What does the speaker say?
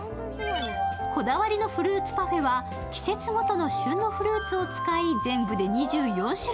こだわりのフルーツパフェは季節ごとの旬のフルーツを使い全部で２４種類。